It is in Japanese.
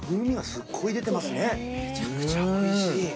めちゃくちゃおいしい。